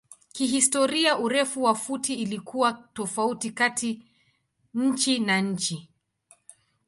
Kihistoria urefu wa futi ilikuwa tofauti kati nchi na nchi.